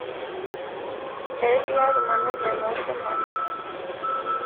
Es la hermana menor de Marisa.